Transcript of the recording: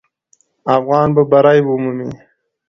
افغانان به بری ومومي.